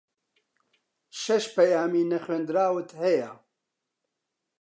شەش پەیامی نەخوێندراوت ھەیە.